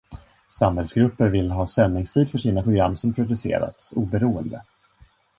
Samhällsgrupper vill ha sändningstid för sina program som producerats oberoende.